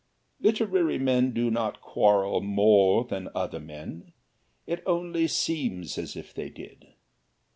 Literary men do not quarrel more than other men it only seems as if they did.